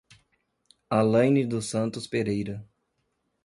Alaine dos Santos Pereira